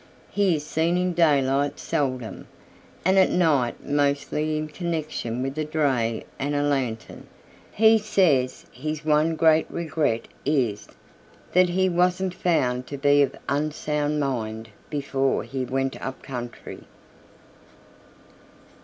He is seen in daylight seldom, and at night mostly in connection with a dray and a lantern. He says his one great regret is that he wasn't found to be of unsound mind before he went up country.